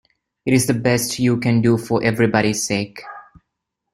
It is the best you can do for everybody's sake.